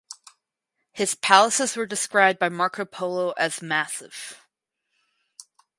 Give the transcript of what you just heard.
His palaces were described by Marco Polo as massive.